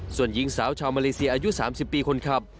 ส่วนหญิงสาวชาวมาเลเซียอายุ๓๐ปีคนขับ